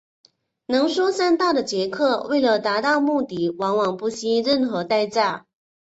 能说善道的杰克为了达到目的往往不惜任何代价。